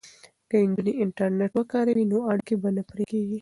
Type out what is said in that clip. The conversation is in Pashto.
که نجونې انټرنیټ وکاروي نو اړیکې به نه پرې کیږي.